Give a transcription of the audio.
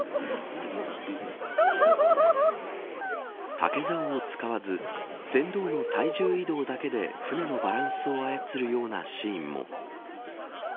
竹ざおを使わず船頭の体重移動だけで舟のバランスを操るようなシーンも。